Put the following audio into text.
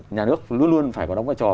nhà nước luôn luôn phải có đóng vai trò